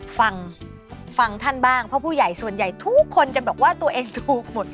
ฟังฟังท่านบ้างเพราะผู้ใหญ่ส่วนใหญ่ทุกคนจะบอกว่าตัวเองถูกหมด